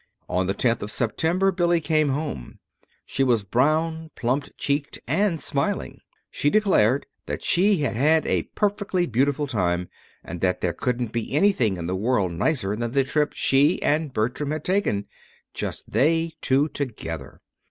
On the tenth of September Billy came home. She was brown, plump cheeked, and smiling. She declared that she had had a perfectly beautiful time, and that there couldn't be anything in the world nicer than the trip she and Bertram had taken just they two together.